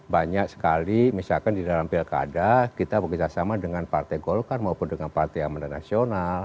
banyak sekali misalkan di dalam pilkada kita bekerjasama dengan partai golkar maupun dengan partai amanat nasional